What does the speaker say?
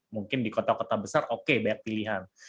mungkin di kota kota besar oke banyak pilihan